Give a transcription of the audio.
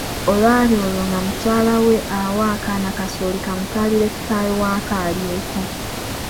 Olwali olwo nga mukyalawe awa kaana kasooli kamutwalire kitaawe waako alyeko.